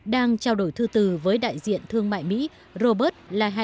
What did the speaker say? đang trao đổi thư từ với đại diện thương mại mỹ robert lahai